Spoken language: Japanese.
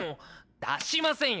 出しませんよ！